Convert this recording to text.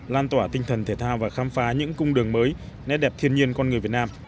lan tỏa tinh thần thể thao và khám phá những cung đường mới nét đẹp thiên nhiên con người việt nam